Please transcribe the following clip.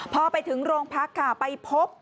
พอไปถึงโรงพักค่ะไปพบ